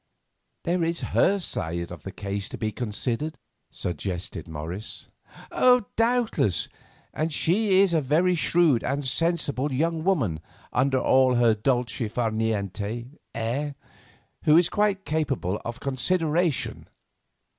"There is her side of the case to be considered," suggested Morris. "Doubtless, and she is a very shrewd and sensible young woman under all her 'dolce far niente' air, who is quite capable of consideration."